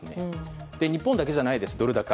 日本だけじゃないです、ドル高。